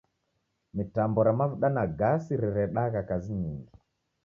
Mitambo ra mavuda na gasi riredagha kazi nyingi.